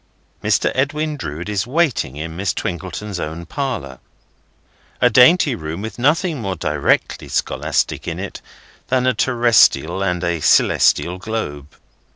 Mr. Edwin Drood is waiting in Miss Twinkleton's own parlour: a dainty room, with nothing more directly scholastic in it than a terrestrial and a celestial globe.